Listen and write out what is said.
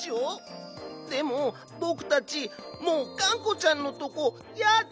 でもぼくたちもうがんこちゃんのとこやだ！